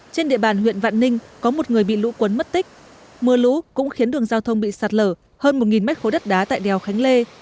trên địa bàn huyện vạn ninh có một người bị lũ cuốn mất tích mưa lũ cũng khiến đường giao thông bị sạt lở hơn một m ba đất đá tại đèo khánh lê